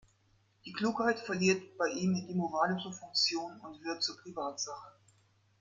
Die Klugheit verliert bei ihm ihre moralische Funktion und wird zur „Privatsache“.